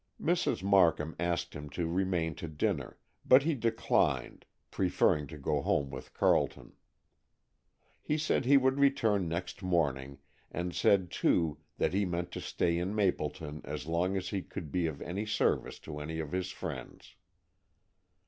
Mrs. Markham asked him to remain to dinner, but he declined, preferring to go home with Carleton. He said he would return next morning, and said too that he meant to stay in Mapleton as long as he could be of any service to any of his friends.